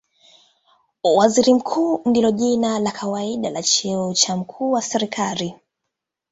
Waziri Mkuu ndilo jina la kawaida la cheo cha mkuu wa serikali.